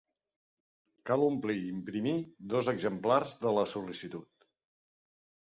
Cal omplir i imprimir dos exemplars de la sol·licitud.